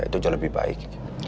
itu aja lebih baik